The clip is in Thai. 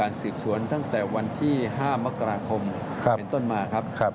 สืบสวนตั้งแต่วันที่๕มกราคมเป็นต้นมาครับ